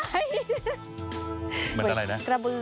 เหมือนอะไรนะ